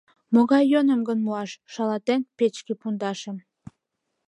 Могай йӧным гын муаш?» Шалатен печке пундашым